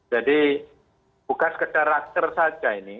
jadi bukan sekedar rakser saja ini